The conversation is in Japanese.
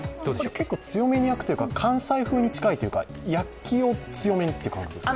結構強めに焼くというか関西風が強いというか焼きを強めにという感覚ですか？